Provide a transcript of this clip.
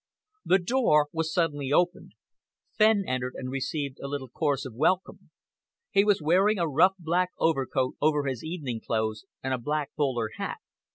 The door was suddenly opened. Fenn entered and received a little chorus of welcome. He was wearing a rough black overcoat over his evening clothes, and a black bowler hat.